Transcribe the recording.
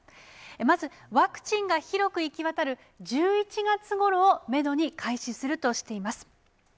まず、ワクチンが広く行き渡る１１月頃をメドに開始するとしています。